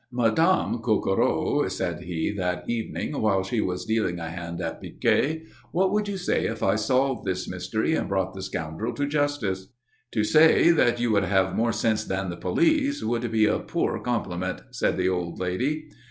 "Madame Coquereau," said he, that evening, while she was dealing a hand at piquet, "what would you say if I solved this mystery and brought the scoundrel to justice?" "To say that you would have more sense than the police, would be a poor compliment," said the old lady.